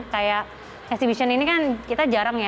kayak cashibition ini kan kita jarang ya